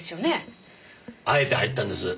あえて入ったんです。